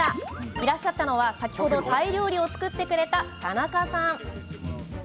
いらっしゃったのは、先ほどタイ料理を作ってくれた田中さん。